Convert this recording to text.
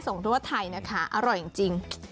ทั่วไทยนะคะอร่อยจริง